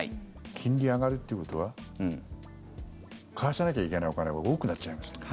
金利上がるっていうことは返さなきゃいけないお金が多くなっちゃいますね。